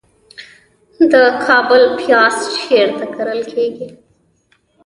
د کابل پیاز چیرته کرل کیږي؟